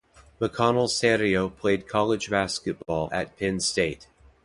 McConnell-Serio played college basketball at Penn State.